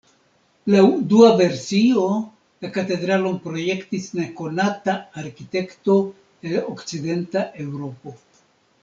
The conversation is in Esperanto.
Laŭ dua versio la katedralon projektis nekonata arkitekto el Okcidenta Eŭropo.